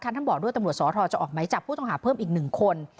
ท่านบอกด้วยตำรวจสอทรจะออกไหมจับผู้ต้องหาเพิ่มอีก๑คน